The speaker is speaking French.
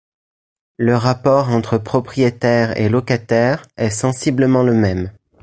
Le rapport entre propriétaires et locataires est sensiblement le même.